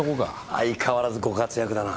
相変わらずご活躍だな。